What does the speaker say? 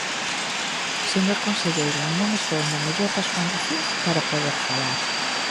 Señor conselleiro, non estou na mellor das condicións para poder falar.